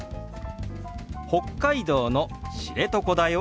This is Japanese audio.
「北海道の知床だよ」。